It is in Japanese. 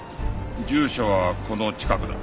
住所はこの近くだ。